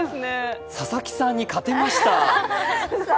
佐々木さんに勝てました。